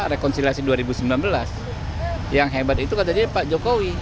rekonsiliasi dua ribu sembilan belas yang hebat itu katanya pak jokowi